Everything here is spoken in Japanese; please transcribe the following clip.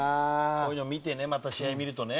こういうの見てねまた試合見るとね。